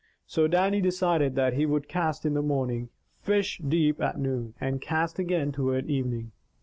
So Dannie decided that he would cast in the morning, fish deep at noon, and cast again toward evening.